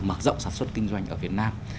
mở rộng sản xuất kinh doanh ở việt nam